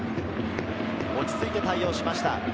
落ち着いて対応しました。